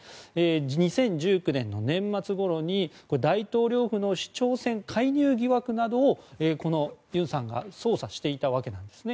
２０１９年の年末ごろに大統領府の市長選介入疑惑などをこのユンさんが捜査していたわけです。